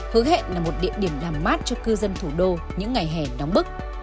hứa hẹn là một địa điểm làm mát cho cư dân thủ đô những ngày hè nóng bức